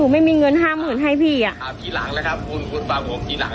ไม่มีเงินห้าหมื่นให้พี่อ่ะอ่ากี่หลังแล้วครับคุณคุณฟังผมทีหลัง